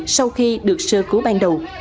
sau khi được sơ cứu ban đầu